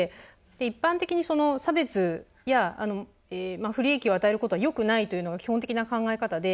一般的に差別や不利益を与えることはよくないというのが基本的な考え方で。